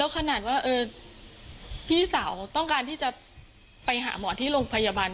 ขนาดว่าพี่สาวต้องการที่จะไปหาหมอที่โรงพยาบาล